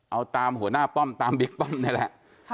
เอาตามหัวหน้าป้อมตามบิ๊กป้อมนี่แหละ